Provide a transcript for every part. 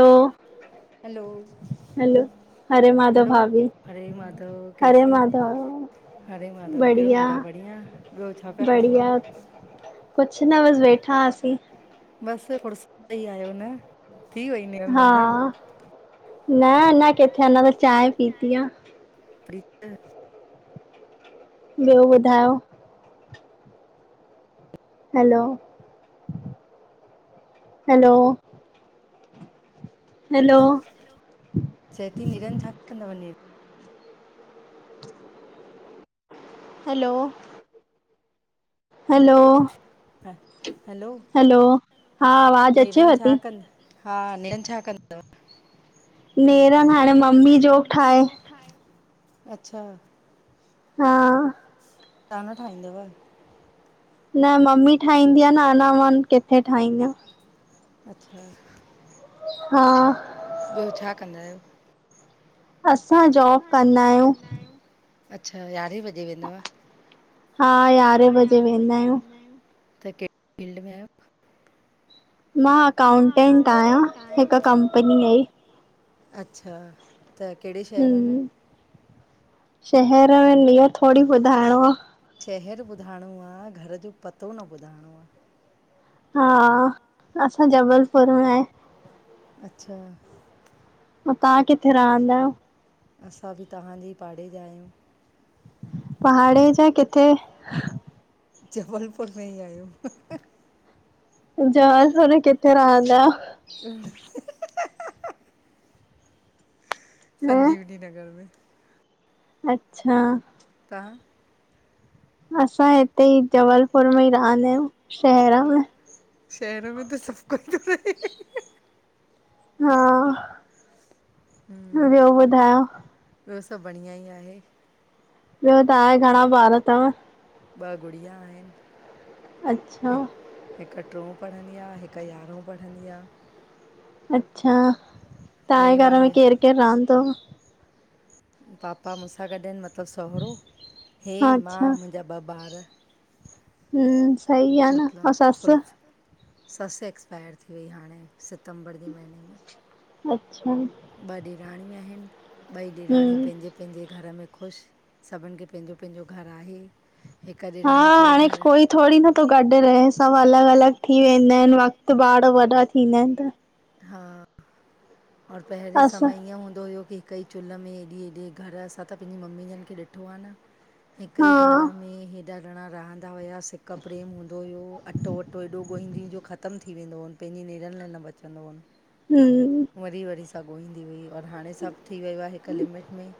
Hello hello हरे माधव भाभी हरे माधव हरे माधव कहिड़ो हाल आहे बढ़िया ॿियो छा पिया करो कुछ न बस वेठा हुआसी बसि फुर्सत में ही आहियो न हा न न अञा किथे अञा त चाए पीती आहे। फ्री त ॿियो ॿुधायो हैलो हैलो हैलो चवेती नेराहने छा कंदा वञी हैलो हैलो हैलो हा आवाज़ अचेव ती हा नेरन छा कंई अथव नेरनि नेरनि हाणे मम्मी जो ठाहे अच्छा हा तव्हां न ठाहींदव न मम्मी ठाहींदी आहे न अञ मां किथे ठाहींदीम अच्छा हा ॿियो छा कंदा आहियो असां जॉब कंदा आहियूं अच्छा यारहें ॿजे वेंदव हा यारहें बजे वेंदा आहियूं त केहड़े फील्ड में आहियो मां अकाउंटेंट आहियां हिक कंपनीअ जी अच्छा, त कहिड़े शहर में? शहर में हीय थोरी ॿुधाइणो आहे। शहर ॿुधाइणो आहे घर जो पतो न ॿुधाइणो आहे हा असां जबलपुर में आहे। अच्छा तव्हां किथे रहंदा आहियो? असां बि तव्हांजे इ पाड़े जा आहियूं। पहाड़े जा किथे? जबलपुर में ई आयूं। जबलपुर में किथे राहंदा आहियो? खिलण [unintelligible] संजीवनी नगर में- अच्छा- तां- असां हिते ई जबलपुर में ई रहंदा आहियूं शहर में। शहर में त सभु कोई तो रहे खिलण हा ॿियो बुधायो ॿियो सभु बढ़िया ई आहे। ॿियो त आहे घणा ॿार अथव? ॿ गुड़िया आहिनि अच्छा- हिकु टियों पढ़ंदी आहे हिकु यारहों पढ़ंदी आहे। अच्छा, तव्हांजे घर में केरु केरु रहंदो? पापा मूंसां गॾु आहिनि मतिलबु सहुरो हे मां मुंहिंजा ॿ ॿार। हम सई आहे न ऐं सस। ससु एक्सपायर थी वई हाणे सितंबर जी महीने में। अच्छा। ॿ ॾेराणीूं आहिन ॿई ॾेराणियूं पंहिंजे पंहिंजे घर में ख़ुशि सभिनि खे पंहिंजो पंहिंजो घरु आहे। हा हाणे कोई थोरी नथो गॾु रहे सभु अलॻि अलॻ थी वेंदा आहिन वक़्तु ॿार वॾा थींदा आहिन त। हा और पहिरें समय ईअं हूंदो हुयो की कई चुल्हि में एॾी एॾी घर, असां त पंहिंजी मम्मी यन खे ॾिठो आहे न। हिक ई घर में हेॾा जणा रहन हुया, सिक प्रेम हूंदो हुयो, अटो अटो एॾो गोंइंदी हुई जो ख़तम थी वेंदो हुअन, पंहिंजे नेड़नि लाइ न बचंदो हुन। हम्म - - वरी वरी सां ॻोहींदी हुई और हाणे सभु थी वियो आहे हिक लिमिट में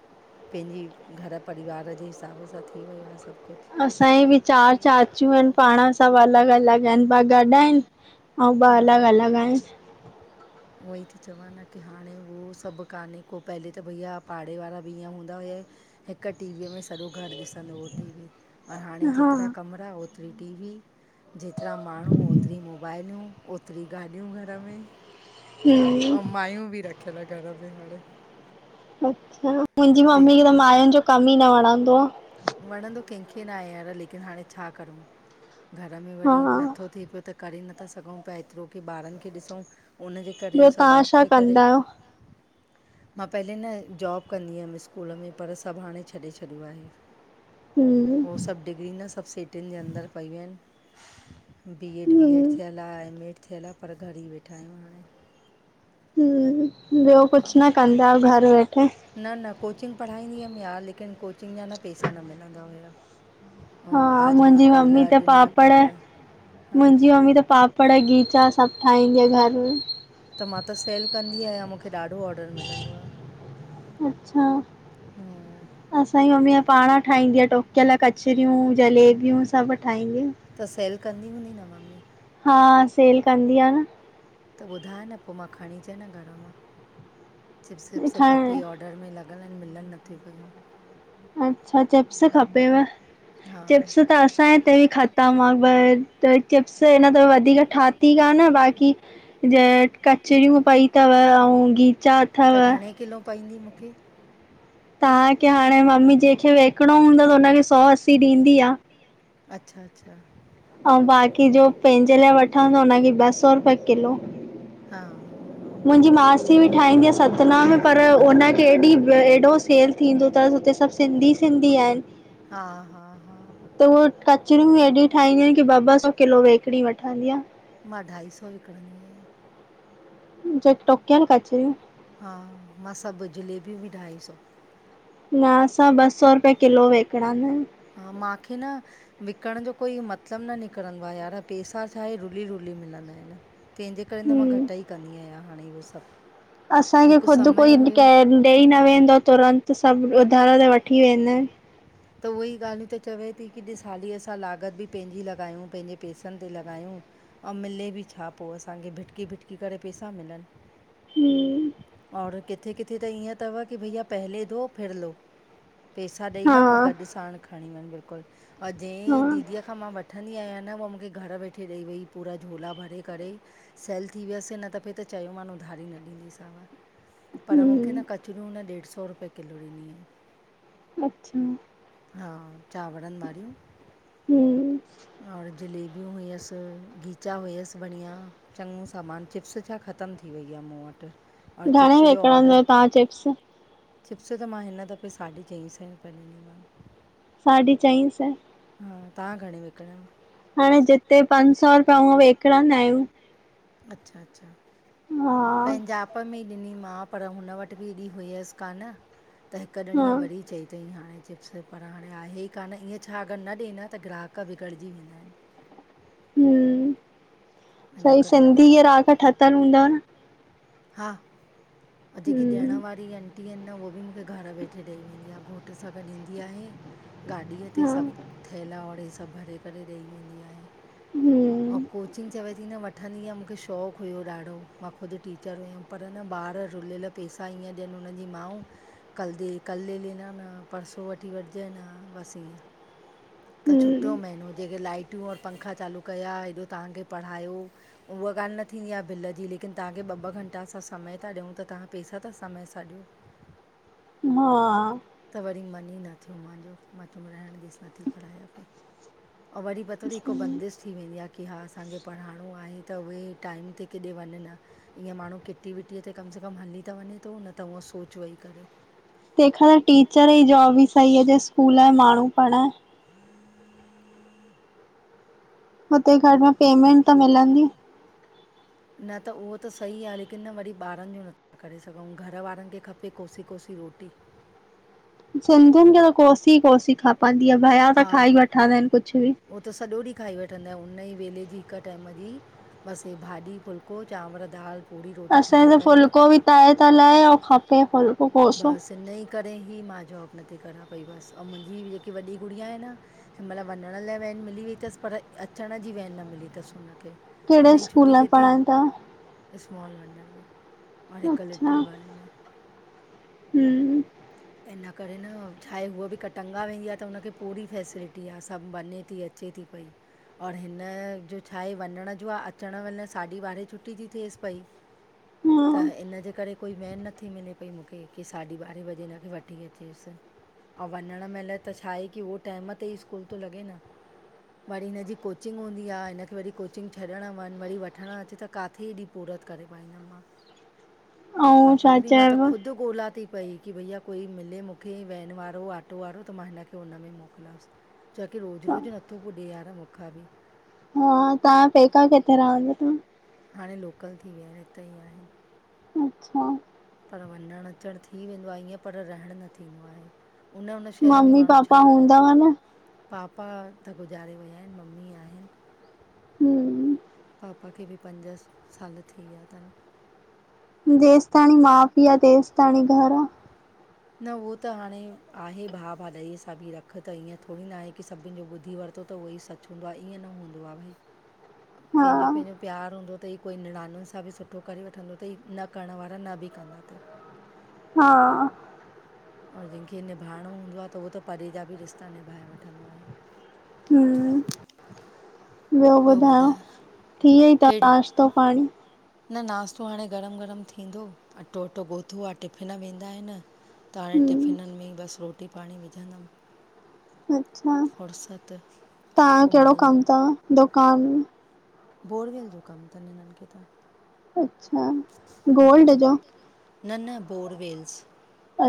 पंहिंजी घर परिवार जे हिसाब सां थी वियो आहे सभु कुझु। असांजी बि चार चाचियूं आहिन पाण सभ अलॻ अलॻ आहिन ॿ गॾु आहिन। हा - - उअ ई थी चवनि की हाणे उहो सभु कान्हे को पहले त भईया पाड़े वारा बि ईअं हूंदा हुया हिक टीवीअ में सॼो घरु ॾिसंदो हो टीवी। और हाणे जेतिरा कमिरा ओतिरी टी वी। जेतिरा माण्हू ओतिरी मोबाइलूं ओतिरी गाॾियूं घर में। अ मायूं बि रखियल घर में हाणे। अच्छा मुंहिंजी मम्मी खे त माययुनि जो कम ई न वणंदो आ। वणंदो कंहिंखे न आहे यार लेकिन हाणे छा करूं घर में वरी नथो थिए पियो त करे नथा सघूं पिया एतिरो की ॿारन खे ॾिसूं उनजे करे असां ॿारन जे करे मां पहले न जॉब कंदी हुअमि स्कूल में पर सभु हाणे छॾे छॾियो आहे। ही सभु डिग्री न सभु सिटीन जे अंदरु पयूं आहिन बी एड बी एड थियल आ एम ए थियल आ पर घर ई वेठा आहियूं हाणे। ॿियो कुझ न कंद आहियो घरु वेठे? न न कोचिंग पढ़ाईंदी हुअम यार लेकिन कोचिंग जा न पैसा न मिलंदा हुया। हा मुंहिंजी ममी त पापड़ मुंहिंजी ममी त पाप पड़ ॻीचा सभु ठाहींदी आहिय घर में। त मां त सेल कंदी आहियां मूंखे ॾाढो ऑडर मिलंदो आ। अच्छा असांजी मम्मीअ पाण ठाहींदी आ टो। कला कचरियूं जलेबियूं सभु उठाइंगे। त सेल कंदी हूंदी न ममी? हा सेल कंदी आ न। त ॿुधाए न पोइ मां खणी अचां न घर मां चिप्स विप्स खपे ऑड ऑडर में लॻल आहिन मिलन नथी पयूं। अच्छा चिप्स खपेव, चिप्स त असांजे हिते ई खा त मां चिप्स हिन त वधीक ठही कान बाक़ी ज कचरियूं पई अथव ऐं खिचा त घणे किलो पइंदी मूंखे? तव्हांखे हाणे मम्मी जंहिंखे विकिणो हूंदो आ हुनखे सौ असी ॾींदी आ। अच्छा- अच्छा। ऐं बाक़ी जो पंहिंजे लाइ वठां, त हुनखे ॿ सौ रुपया किलो हा- हा -हा मुंहिंजी मासी बि ठाहींदी आहे सतना मे पर हुनखे एॾी, एॾो सेल थींदो अथस हुते सभु सिंधी -सिंधी आहिनि। हा- हा- हा। त हू कचरियूं हेॾी ठाहींदियूं आहिनि की ॿ- ॿ सौ किलो वेकिणी वठंदी आ। मां ढाई सौ विकिणंदी आहियां। जे टोकिय न कचरियूं। हा, मां सभु जलेबियूं बि ढाहिसो। न असां ॿ सौ रुपया किलो विकिणंदा आहियूं। हा मांखे न विकण जो कोई मतिलबु न निकिरंदो आहे यार, पेसा छाहे रुली- रुली मिलंदा आहिनि। तंहिंजे करे न मां घटि ई कंदी आहियां हाणे हो सभु असांखे ख़ुदि कोई क ॾेई न वेंदो तुरंत सभु उधारा ते वठी वेंदा आहिन। त उहे ई ॻाल्हियूं त चवे थी की ॾिस हाली असां लागत बि पंहिंजी लॻायूं, पंहिंजे पैसनि ते लॻायूं ओ मिले बि छा पो असांखे भिटिकी -भिटिकी करे पैसा मिलनि। और किथे- किथे त ईअं अथव की भईया पहले दो, फिर लो। पैसा ॾेई वञ ऐं गॾु सणु खणी वञ बिल्कुलु। अ जंहिं दीदी खां मां वठंदी आहियां न उह मूंखे घरु वे थिये वेई पूरा झोला भरे करे सेल थी वियसि हिन दफ़े त चयोम उधारी न ॾींदीसांवा। पर मूंखे न कचरियूं न ॾेढु सौ रुपे किलो ॾिनी। अच्छा हा चांवरनि वारियूं, और जले भबियूं हुयसि, गिचा हुयसि बढ़िया चङो सामान, चिप्स छा ख़तमु थी वई आ मूं वटि और चिप्स जा ऑडर चिप्स त मां हिन दफ़े साढी चईं है रुपए ॾिनी साढे चईं सै। हां! तव्हां घणे विकिणव? हाणे जिते पंज सौ रुपया हुअं विकणंदा आहियूं अच्छा-अच्छा पंहिजाप में ॾिनी मां, पर हुन वट ॿि एॾी हुयसि कान त हिकु ॾणीअ वरी चई उतेही हाणे चिप्स पर हाणे आहे ही कान, ईअं छा अगर न डे न त ग्राहक बिगड़जी वेंदा आहिनि हुमम सही सिंधी ग्राहक ठतल हूंदव न हा जेकी ॾियण वारी आंटी आहिनि न उहे भि मूंखे घरु वेठे ॾेई वेंदी आहे। घोट सां गॾ ईंदी आहे गाॾीअ ते सभु ठैला और हे सभु भरे करे ॾई वेंदी आहे अऊ कोचिंग चवेए थी न वठंदी हम, मूंखे शौक हुयो ॾाढो मां ख़ुद टीचर टिचर हुयम, पर न ॿार रुलियल पैसा ईअं ॾियनि हुननि जी माउं कल दे, कल ले लेना न परसो वठी वठजाए न बस ईअ त छुटो महनो, जेके लाइटियूं और पंखा चालू क्या, हेॾो तव्हांखे पढ़ायो उव ॻाल न थींदी आहे ॿिल ॼी लेकिन तव्हांखे ॿ ॿ घंटा असा समय ता ॾियूं तव्हां पैसा त समय सां ॾियो [inaudible] त वरी मन ही न थियो माजो मां चयम रहण ॾेस नथी पढ़ायां पई ऐं वरी पतो तई हिकु बंदिस थी वेंदी आ की हा असांखे पढ़ाइणो आहे त उवे टाइम ते किॾे वन न ईअं माण्हू किटी विटीअ ते कम से कम हली त वने तो न त हुअं सोच वेही करे तेखां त टीचर ॼी ॼौब ही सही आहे जो स्कूल मे माण्हू पढ़ाए [inaudible] हुते घट में पेमेंट त मिलंदी न त उवो त सही आ लेकिन वरी ॿारन जो नथो करे [unintelligible] घर वारन खे खपे कोसी-कोसी रोटी सिंधियुनि खे त कोसी-कोसी खपंदी आ भया त खाई वठंदा आहिनि कुझ ॿि - - उवो त ॾींह खाई वठंदा उन ही वेले ॼी हिक टाइम ॼी बस हे भाॼी फुलको चांवर दाल पूरी रोटी ठाए करे असांए हिते फ़ुलको भि तए ता लहे अऊं खपे बस हिन् ही करें। कॾेहिं मां जॉब नथी करां पई बस अऊं मुंहिंजी जेकी वॾी गुड़िया आहे न हिमल वनण लाए वैन मिली वई तस पर अचण ॼी वैन न मिली तस हुनखे हिनई छुट्टी थे ती स्मॉल वंडर में और हिकु लिटिल वन में [inaudible] इन करे न छाए हूअ ॿि कटंॻा वेंदी आ त हुनखे पूरी फैसिलिटी आ सभु वने ती अचे ती पई और हिन ॼो छाए वनण ॼो आ अचण महिल साढी ॿारहें छुट्टी ती थेइस पई त इन करे कोई वैन नथी मिले पई मूंखे की साढी ॿारहें बॼे हिन वठी अचेस अऊं वनण महिल त छाए की उहो टाइम ते ही स्कूल तो लॻे न वरी हिनजी कोचिंग हूंदी आ हिनखे वरी कोचिंग छॾण वन वरी वढण अच त काथे एॾी पूरत करें पाई दम मां और पगली मां त खुघ [unintelligible] ती पई की भइया कोई मिले मूंखे वैन वारो ऑटो वारो त मां हिनखे हुन मेंें मोकिलियांस। छकी रोज़ रोज़ नथो पुॼे यार मूंखां बि - - हा तव्हां पैका किथे रहंदो त - - हाणे लोकल थी विया आहिन हिते ई आहिन अच्छा पर वनण अचण थी वेंदो आहे ईअं पर रहण न थींदो आहे उन-उन शहर में माण्हू छा रहे पापा त ॻुज़ारे वया आहिन मम्मी आहिन हम पापा खे बि पंज साल थी विया तन। जेस ताणी माउ पीउ आहे तेस ताणी घर आहे। न उहो त हाणे आहे भा भाजाई सां बि रख त ईअं थोरी ना आहे की सभिन जो ॿुधी वरितो त उहो ई सच। हूंदो आहे ईअ न हूंदो आहे भई पंहिंजो पंहिंजो प्यारु हूंदो तई कोई निणाणुन सां बि सुठो करे वठंदो तई न करण वारा न बि कंदा तई। हा! और जिंहिंखे निभाइणो हूंदो आहे त उहो त परे जा बि रिश्ता निभाए वठंदो आहे। हूं ॿियो ॿुधायो थी वई तव नाश्तो पाणी? न नाश्तो हाणे गरम गरम थींदो, अटो अटो गोथो आ टिफिन वेंदा आहिनि। त हाणे टिफिननि में ई बसि रोटी पाणी विझंदमि। अच्छा तहां जो कहिड़ो कमु तव दुकान? बोरवेल जो कमु तनि हिननिखे त। अच्छा गोल्ड जो? न न बोरवेल्स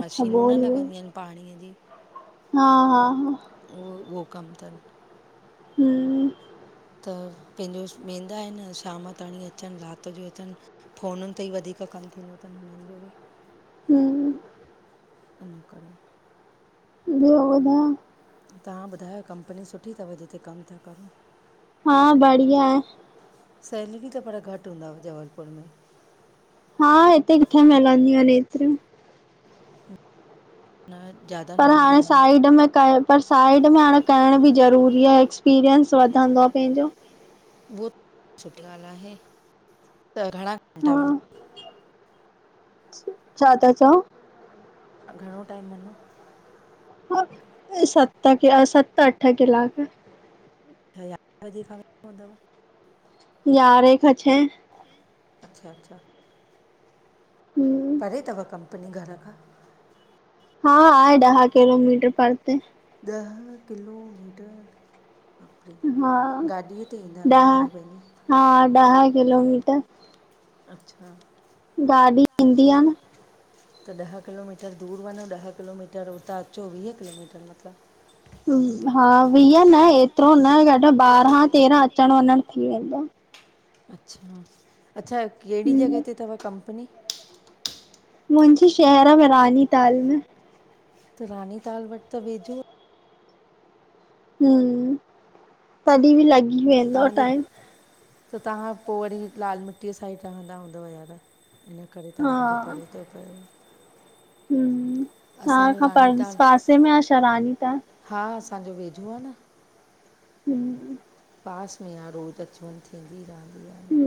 मशीनूं न लॻदियूं आहिनि पाणीअ जी हा-हा-हा उहो, उहो कमु तनि। हम त पंहिंजो वेंदा आहिनि, शाम ताई अचनि, राति जो अचनि फोनुनि ते ही वधीक कमु थींदो तनि हुननि जो बि। हम्म इन करे ॿियो ॿुधायो? तव्हां ॿुधायो कंपनी सुठी तव जिते कमु था कयो? हा बढ़िया है। सैलरी त पर घटि हूंदव जबलपुर में। हा हिते किथे मिहलंदियूं आहिनिे ऐतिरूं? न ज्यादा पर हाणे साइड में कर, साइड में हाणे करण बि ज़रूरी आहे। एक्सपीरियंस वधंदो आहे पंहिंजो। उह त, सुठी ॻाल्हि आहे। त घणा घंटा वञ? छा था चओ? अ घणो टाइम वञो? सत क सत अठ कलाक। यारहें बजे खां वेंदा हूदव? यारे खां छह। अच्छा अच्छा परे तव कंपनी घर खां? हा आहे ॾह किलोमीटर परते। ॾह किलोमीटर? हा ॾह, हा ॾह किलोमीटर। अच्छा गाॾी ईंदी आहे न। त ॾह किलोमीटर दूरि वञो ॾह किलोमीटर उतां अचो वीह किलोमीटर मतलबु। हा वीह न, एतिरो न गॾु ॿारहां तेरहां। अच्छा, अच्छा कहिड़ी जॻहि ते तव कंपनी? मुंहिंजी शहरु में रानीताल में। त रानीताल वटि त वेझो हम तॾी बि लगी तहांजे त तव्हां पो वरी लाल मिटीअ साइड रहंदा हूंदव यार इन करे तव्हांजो परे थो पये। हम त खां पर पासे में आहे छा रानीताल? हा असांजो वेझो आहे न। हम। पास में आह रोज़ अच वञ थींदी रहंदी आहे।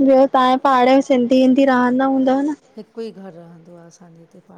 ॿियो तव्हांये पाड़े में सिंधी वंदी रहंदा हूंदव न? हिक ई घर रहंदो आह असांजे हिते प